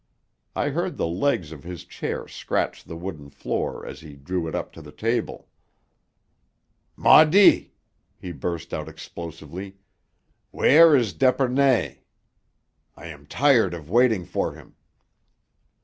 I heard the legs of his chair scratch the wooden floor as he drew it up to the table. "Maudit!" he burst out explosively. "Where is d'Epernay? I am tired of waiting for him!"